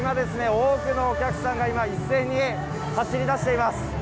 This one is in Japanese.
多くのお客さんが今、一斉に走り出しています。